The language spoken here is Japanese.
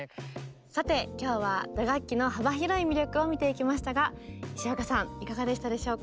さて今日は打楽器の幅広い魅力を見ていきましたが石若さんいかがでしたでしょうか？